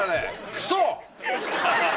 クソ！